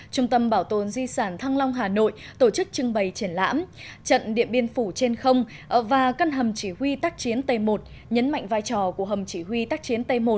trung tâm bảo tồn di sản thăng long hà nội tổ chức trưng bày triển lãm trận điện biên phủ trên không và căn hầm chỉ huy tác chiến t một nhấn mạnh vai trò của hầm chỉ huy tác chiến t một